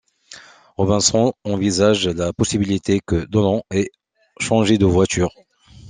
Robinson envisage la possibilité que Dolan ait changé de voiture.